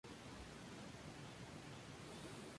Actualmente su producción está discontinuada.